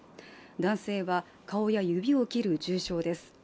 男性は、顔や指を切る重傷です。